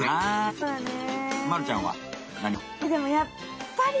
そうだね。